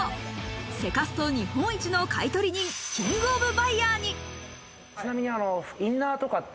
セカスト日本一の買取人、キング・オブ・バイヤーに。